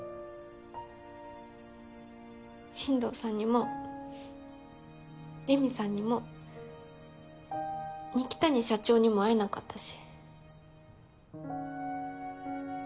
進藤さんにもレミさんにも二木谷社長にも会えなかったし。